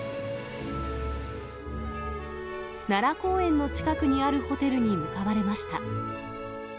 奈良公園の近くにあるホテルに向かわれました。